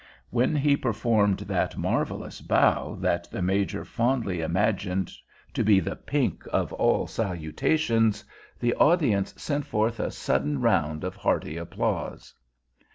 When he performed that marvelous bow that the Major fondly imagined to be the pink of all salutations, the audience sent forth a sudden round of hearty applause.